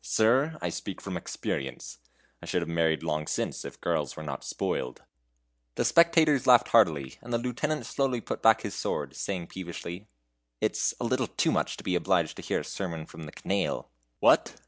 Sir, I speak from experience; I should have married long since, if girls were not spoiled." The spectators laughed heartily, and the lieutenant slowly put back his sword, saying peevishly: "It's a little too much to be obliged to hear a sermon from the canaille." "What!